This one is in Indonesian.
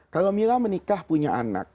kalau mila menikah punya anak